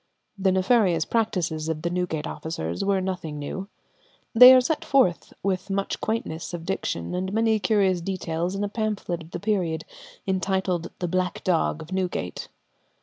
The nefarious practices of the Newgate officers were nothing new. They are set forth with much quaintness of diction and many curious details in a pamphlet of the period, entitled the "Black Dogge of Newgate."